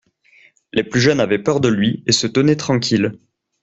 Les plus jeunes avaient peur de lui et se tenaient tranquilles.